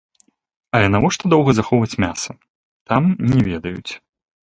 Але навошта доўга захоўваць мяса, там не ведаюць.